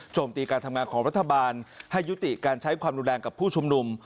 ตีการทำงานของรัฐบาลให้ยุติการใช้ความรุนแรงกับผู้ชุมนุม